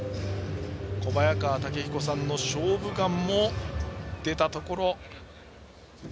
小早川毅彦さんの「勝負眼」も出たところ。